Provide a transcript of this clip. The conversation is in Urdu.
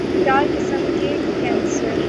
چار قسم کے کینسر